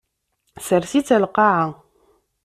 Sers-itt ɣer lqaɛa.